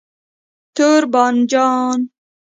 🍆 تور بانجان